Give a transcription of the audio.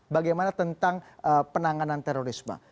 bagaimana tentang penanganan terorisme